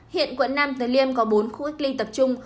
hiện quận nam từ liêm có bốn khu cách ly tập trung